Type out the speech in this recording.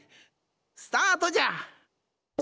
スタートじゃ！